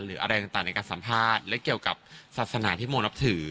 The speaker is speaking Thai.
หรืออะไรต่างในการสัมภาษณ์และเกี่ยวกับศาสนาที่โมนับถือ